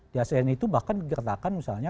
di asn itu bahkan dikatakan misalnya